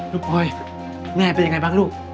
ลูกปลอยแม่เป็นไงบ้างลูก